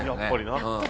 やっぱりな。